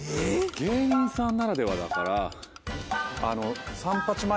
芸人さんならではだから。